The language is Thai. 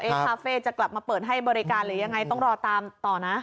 คาเฟ่จะกลับมาเปิดให้บริการหรือยังไงต้องรอตามต่อนะ